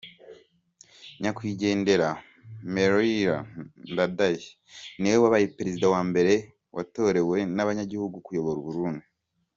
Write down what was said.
Nyakwigendera Melchior Ndadaye niwe wabaye Perezida wa mbere watorewe n’abanyagihugu kuyobora u Burundi.